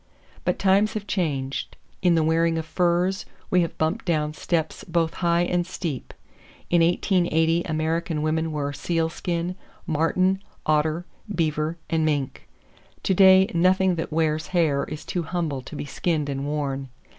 But times have changed. In the wearing of furs, we have bumped down steps both high and steep. In 1880 American women wore sealskin, marten, otter, beaver and mink. To day nothing that wears hair is too humble to be skinned and worn.